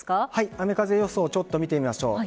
雨風予想を見ていきましょう。